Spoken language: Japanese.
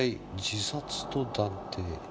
自殺と断定」。